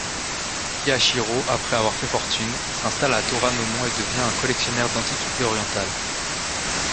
Kihachiro, après avoir fait fortune, s'installe à Toranomon et devient un collectionneur d'antiquités orientales.